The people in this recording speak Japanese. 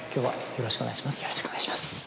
よろしくお願いします。